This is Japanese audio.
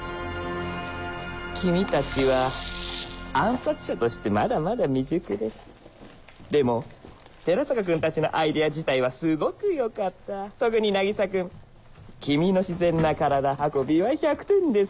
君たちは暗殺者としてまだまだ未熟ですでも寺坂君たちのアイデア自体はすごくよかった特に渚君君の自然な体運びは１００点です